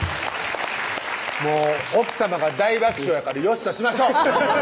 もう奥さまが大爆笑やからよしとしましょう！